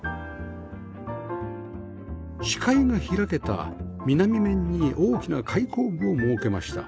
視界が開けた南面に大きな開口部を設けました